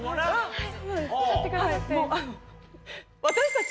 はい。